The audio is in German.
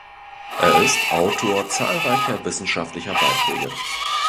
Er ist Autor zahlreicher wissenschaftlicher Beiträge.